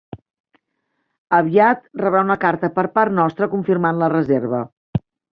Aviat rebrà una carta per part nostra confirmant la reserva.